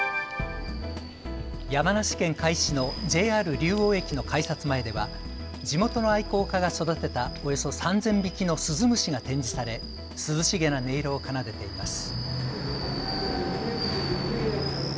山梨県甲斐市のＪＲ竜王駅の改札前では地元の愛好家が育てたおよそ３０００匹のスズムシが展示され涼しげな音色を奏でています。